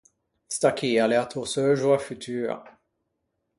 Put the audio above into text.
Sta chì a l’é a tò seuxoa futua.